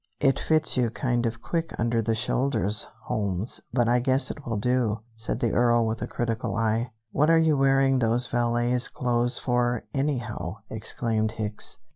"It fits you kind of quick under the shoulders, Holmes, but I guess it will do," said the Earl, with a critical eye. "What are you wearing those valet's clothes for, anyhow?" exclaimed Hicks.